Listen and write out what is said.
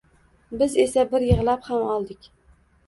Biz esa bir yig`lab ham oldik